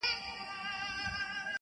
نور بيا حکومت ملامتوي